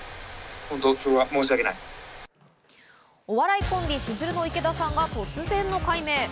お笑いコンビしずるの池田さんが突然の改名。